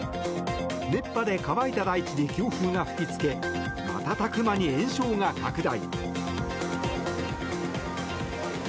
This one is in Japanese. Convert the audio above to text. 熱波で乾いた大地に強風が吹きつけ瞬く間に延焼が拡大。